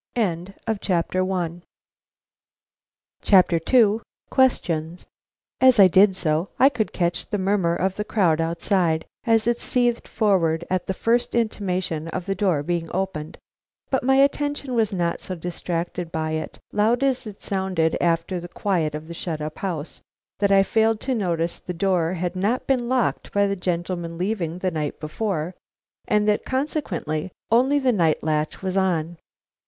II. QUESTIONS. As I did so, I could catch the murmur of the crowd outside as it seethed forward at the first intimation of the door being opened; but my attention was not so distracted by it, loud as it sounded after the quiet of the shut up house, that I failed to notice that the door had not been locked by the gentleman leaving the night before, and that, consequently, only the night latch was on.